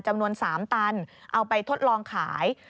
จำนวน๓ตันเอาไปทดลองขาย